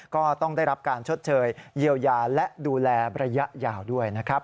ก็ต้องได้รับการชดเชยเยียวยาและดูแลระยะยาวด้วยนะครับ